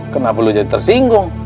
kenapa lu jadi tersinggung